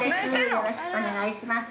よろしくお願いします」